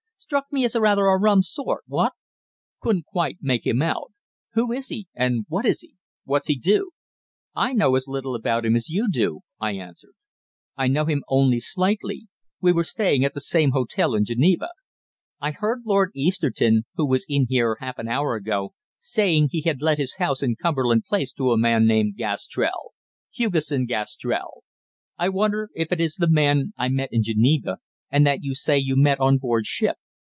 Struck me as rather a rum sort what? Couldn't quite make him out. Who is he and what is he? What's he do?" "I know as little about him as you do," I answered. "I know him only slightly we were staying at the same hotel in Geneva. I heard Lord Easterton, who was in here half an hour ago, saying he had let his house in Cumberland Place to a man named Gastrell Hugesson Gastrell. I wonder if it is the man I met in Geneva and that you say you met on board ship.